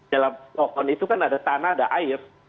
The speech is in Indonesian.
dalam pohon itu kan ada tanah ada air